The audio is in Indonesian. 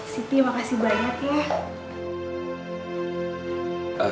siti makasih banyak ya